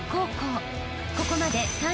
［ここまで］